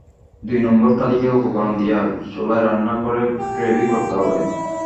দুই নম্বর তালিকার উপকরণ দিয়ে চুলায় রান্না করে গ্রেভি করতে হবে।